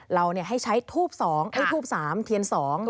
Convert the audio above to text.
เราให้ใช้ทูปสามเทียนสอง